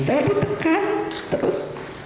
saya ditekan terus